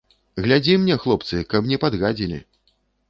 Глядзі мне, хлопцы, каб не падгадзілі.